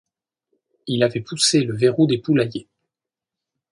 il avait poussé le verrou des poulaillers